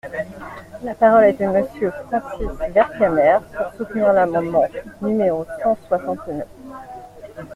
La parole est à Monsieur Francis Vercamer, pour soutenir l’amendement numéro cent soixante-neuf.